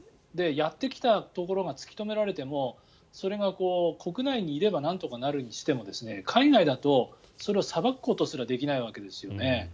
やってきたところが突き止められてもそれが、国内にいればなんとかなるにしても海外だとそれを裁くことすらできないわけですよね。